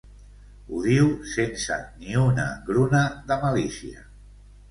Ho diu sense ni una engruna de malícia.